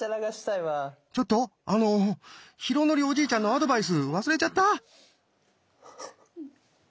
ちょっとあの浩徳おじいちゃんのアドバイス忘れちゃった？